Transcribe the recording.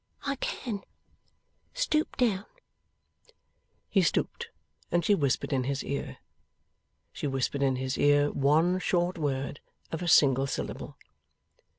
'I can. Stoop down.' He stooped, and she whispered in his ear. She whispered in his ear one short word of a single syllable.